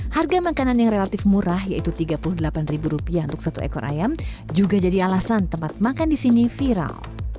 harga makanan yang relatif murah yaitu tiga puluh delapan ribu rupiah untuk satu ekor ayam juga jadi alasan tempat makan disini viral